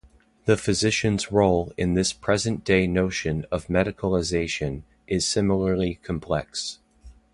The physician's role in this present-day notion of medicalization is similarly complex.